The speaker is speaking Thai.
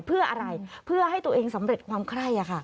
เพื่ออะไรเพื่อให้ตัวเองสำเร็จความไคร้